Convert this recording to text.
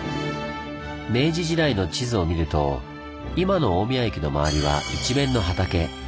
明治時代の地図を見ると今の大宮駅の周りは一面の畑。